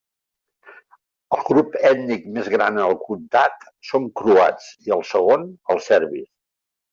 El grup ètnic més gran en el comtat són croats, i el segon els serbis.